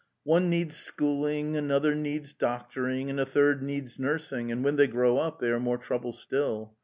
One needs schooling, another needs doctoring, and a third needs nursing, and when they grow up they are more trouble still.